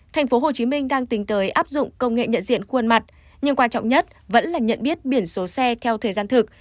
tp hcm đang tính tới áp dụng công nghệ nhận diện khuôn mặt nhưng quan trọng nhất vẫn là nhận biết biển số xe theo thời gian thực